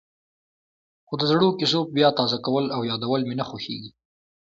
خو د زړو کېسو بیا تازه کول او یادول مې نه خوښېږي.